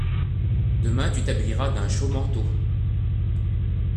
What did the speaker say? Demain tu t’habilleras d’un chaud manteau.